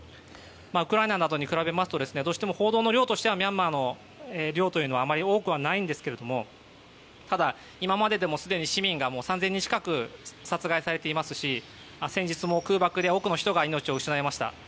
ウクライナなどに比べますとどうしても報道の量としてはミャンマーの量はあまり多くはないんですけれどもただ、今まででもすでに市民が３０００人近く殺害されていますし先日も空爆で多くの人が命を失いました。